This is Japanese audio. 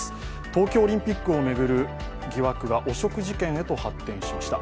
東京オリンピックを巡る疑惑が汚職事件へと発展しました。